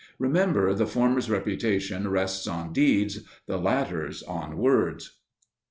Remember the former's reputation rests on deeds, the latter's on words.